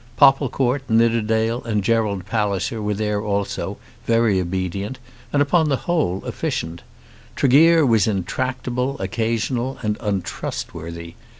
Popplecourt, Nidderdale, and Gerald Palliser were there also, very obedient, and upon the whole efficient. Tregear was intractable, occasional, and untrustworthy.